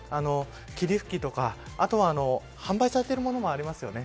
霧吹きとか、あとは販売されているものもありますよね。